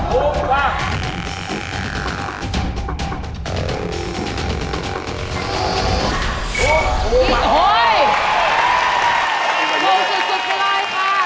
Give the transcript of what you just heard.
โอ้โฮสุดไปเลยค่ะ